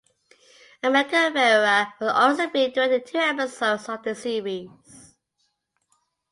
America Ferrera will also be directing two episodes of the series.